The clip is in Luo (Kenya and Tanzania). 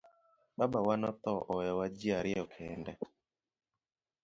Babawa no tho owewa ji ariyo kende.